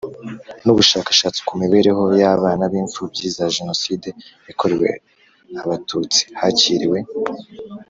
n ubushakashatsi ku mibereho y abana b impfubyi za Jenoside yakorewe Abatutsi Hakiriwe